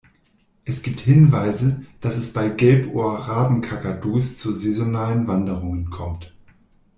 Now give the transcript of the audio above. Es gibt Hinweise, dass es bei Gelbohr-Rabenkakadus zu saisonalen Wanderungen kommt.